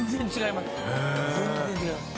へえ全然違います